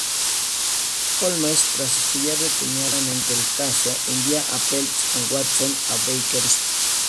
Holmes, tras estudiar detenidamente el caso, envía a Phelps con Watson a Baker Street.